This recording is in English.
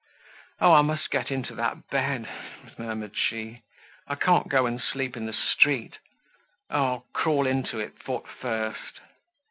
"Oh, I must get into that bed," murmured she. "I can't go and sleep in the street. Oh! I'll crawl into it foot first."